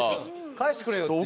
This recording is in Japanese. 返してくれよっていう。